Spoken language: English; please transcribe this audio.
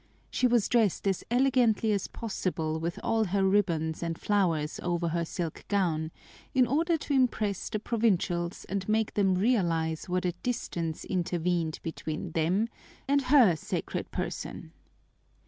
She was dressed as elegantly as possible with all her ribbons and flowers over her silk gown, in order to impress the provincials and make them realize what a distance intervened between them and her sacred person.